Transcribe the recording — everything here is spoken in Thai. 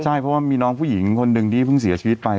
ใช่เพราะว่ามีน้องผู้หญิงคนหนึ่งที่เพิ่งเสียชีวิตไป